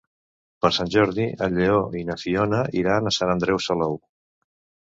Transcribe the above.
Per Sant Jordi en Lleó i na Fiona iran a Sant Andreu Salou.